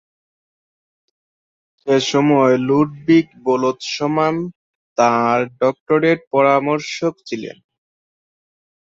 সেসময় Ludwig Boltzmann তাঁর doctorate পরামর্শক ছিলেন।